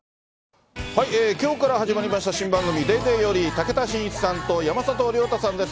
きょうから始まりました新番組、ＤａｙＤａｙより、武田真一さんと山里亮太さんです。